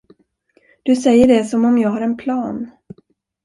Du säger det som om jag har en plan.